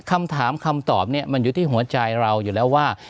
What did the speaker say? คำถามคำตอบเนี่ยมันอยู่ที่หัวใจเราอยู่แล้วว่า